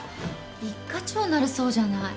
一課長になるそうじゃない。